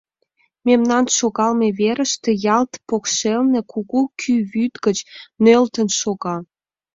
Мемнан шогалме верыште, ялт покшелне, кугу кӱ вӱд гыч нӧлтын шога.